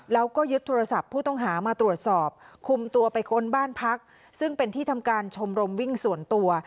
แล้วก็ยึดโทรศัพท์ผู้ต้องหามาตรวจสอบคุมตัวไปค้นบ้านพักซึ่งเป็นที่ทำการชมรมวิ่งส่วนตัว